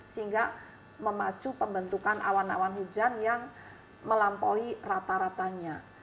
sehingga memacu pembentukan awan awan hujan yang melampaui rata ratanya